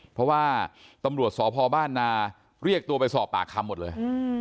เพราะว่าตำรวจสพบ้านนาเรียกตัวไปสอบปากคำหมดเลย